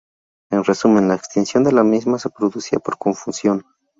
En resumen, la extinción de la misma se producía por confusión.